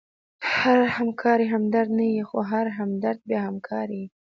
هره همکاري همدردي نه يي؛ خو هره همدردي بیا همکاري يي.